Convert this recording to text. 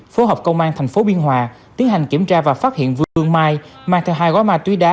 phối hợp công an tp biên hòa tiến hành kiểm tra và phát hiện vương mai mang theo hai gói ma túy đá